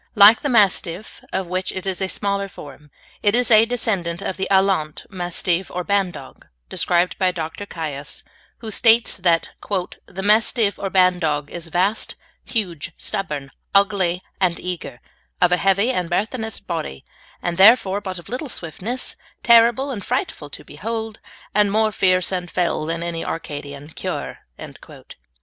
Like the Mastiff, of which it is a smaller form, it is a descendant of the "Alaunt," Mastive, or Bandog, described by Dr. Caius, who states that "the Mastyve or Bandogge is vaste, huge, stubborne, ougly and eager, of a hevy, and burthenous body, and therefore but of little swiftnesse, terrible and frightful to beholde, and more fearce and fell than any Arcadian curre."